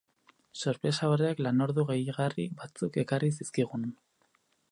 Sorpresa horrek lanordu gehigarri batzuk ekarri zizkigun.